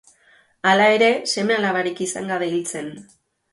Hala ere, seme-alabarik izan gabe hil zen.